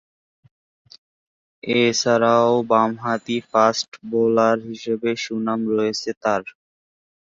এছাড়াও বামহাতি fast bowler হিসেবে সুনাম রয়েছে তার।